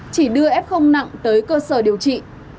chỉ đưa f nặng tới cơ sở điều trị